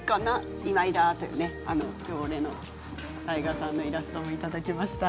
「今日俺」の太賀さんのイラストもいただきました。